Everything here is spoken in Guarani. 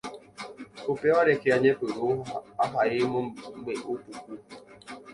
upéva rehe añepyrũ ahai mombe'upuku.